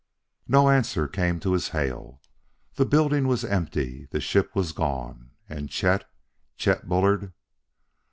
No answer came to his hail. The building was empty; the ship was gone. And Chet! Chet Bullard!...